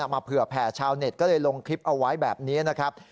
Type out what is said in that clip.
เผื่อแผ่ชาวเน็ตก็เลยลงคลิปเอาไว้แบบนี้นะครับ